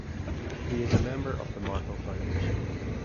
He is a member of the Markle Foundation.